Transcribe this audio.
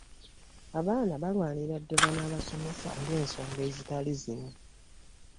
Abaana balwanira ddala n'abasomesa olw'ensonga ezitali zimu.